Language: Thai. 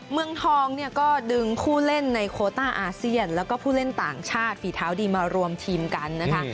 เมืองทองเนี่ยก็ดึงผู้เล่นในโคต้าอาเซียนแล้วก็ผู้เล่นต่างชาติฝีเท้าดีมารวมทีมกันนะคะ